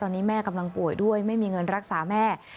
ตอนนี้แม่กำลังป่วยด้วยไม่มีเงินรักษาแม่